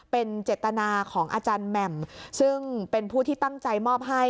เป็นเจตนาของอาจารย์แหม่มซึ่งเป็นผู้ที่ตั้งใจมอบให้